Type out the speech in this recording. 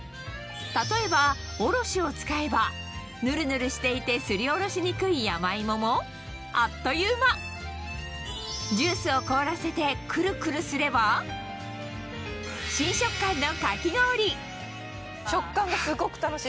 例えばおろしを使えばヌルヌルしていてすりおろしにくい山芋もあっという間ジュースを凍らせてくるくるすればおいしい。